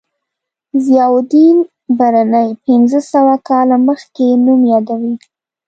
ضیاءالدین برني پنځه سوه کاله مخکې نوم یادوي.